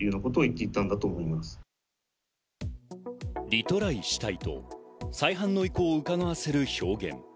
リトライしたいと再犯の意向をうかがわせる表現。